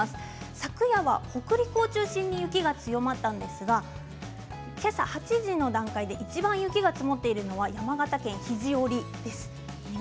昨夜は北陸を中心に雪が強まったんですが今朝８時の段階で、いちばん雪が積もっているのは山形県肘折です。